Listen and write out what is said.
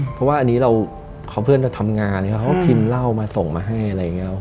เพราะว่าอันนี้เราเพื่อนเราทำงานเขาก็พิมพ์เหล้ามาส่งมาให้อะไรอย่างนี้